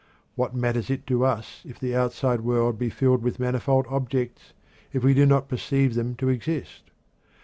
What matters it to us if the outside world be filled with manifold objects, if we do not perceive them to exist?